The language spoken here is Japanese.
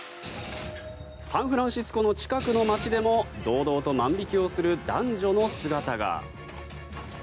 サンフランシスコの近くの街でも堂々と万引きをする男女の姿が。